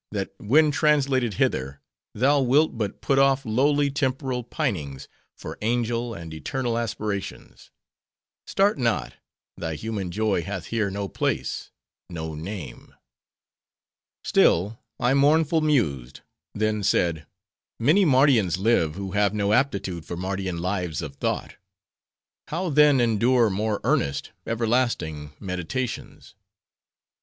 that when translated hither, thou wilt but put off lowly temporal pinings, for angel and eternal aspirations. Start not: thy human joy hath here no place: no name. "Still, I mournful mused; then said:—'Many Mardians live, who have no aptitude for Mardian lives of thought: how then endure more earnest, everlasting, meditations?